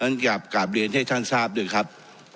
กลับกลับเรียนให้ท่านทราบด้วยครับ